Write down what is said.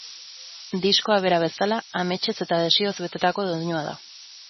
Diskoa bera bezala, ametsez eta desioz betetako doinua da.